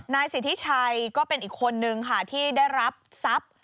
นายสิทธิชัยก็เป็นอีกคนนึงค่ะที่ได้รับทรัพย์